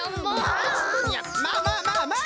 いやまあまあまあまあ！